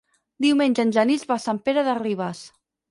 Diumenge en Genís va a Sant Pere de Ribes.